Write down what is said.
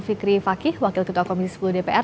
fikri fakih wakil ketua komisi sepuluh dpr